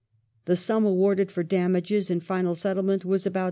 The sum awarded for damages, in final settlement, was about £3,250,000.